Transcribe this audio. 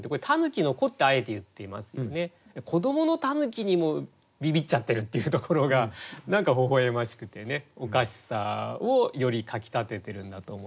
子どもの狸にもビビっちゃってるっていうところが何かほほ笑ましくてねおかしさをよりかきたててるんだと思います。